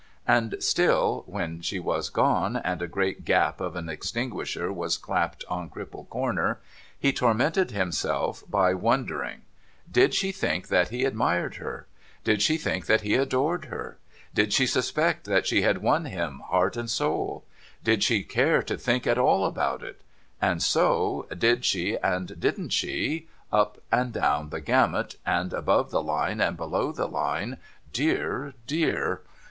And still, when she was gone, and a great gap of an extinguisher was clapped on Cripple Comer, he tormented himself by wondering, Did she think that he admired her ! Did she think that he adored her ! Did she suspect that she had won him, heart and soul ! Did she care to think at all about it ! And so, Did she and Didn't she, up and down the gamut, and above the line and below the line, dear, dear